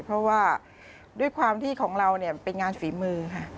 เพราะว่าด้วยความที่ของเราเนี่ยเป็นงานฝีมือค่ะ